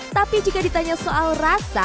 tapi jika ditanya soal rasa